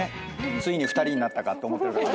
ついに２人になったかって思ってる方も。